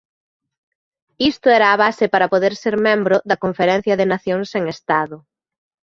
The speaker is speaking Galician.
Isto era a base para poder ser membro da Conferencia de Nacións sen Estado.